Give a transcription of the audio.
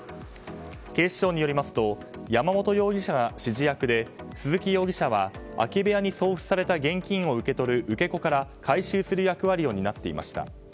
警視庁によりますと山本容疑者が指示役で鈴木容疑者は、空き部屋に送付された現金を受け取る受け子から回収する役割を担っていました。